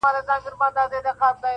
له ماښامه تر سهاره یې غپله -